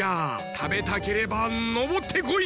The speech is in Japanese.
たべたければのぼってこい！